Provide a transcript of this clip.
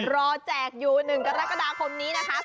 แจกอยู่๑กรกฎาคมนี้นะคะ